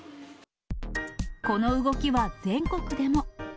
この動きは全国でも。